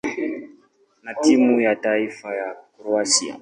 na timu ya taifa ya Kroatia.